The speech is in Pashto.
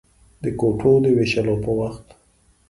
د کوټو د وېشلو په وخت.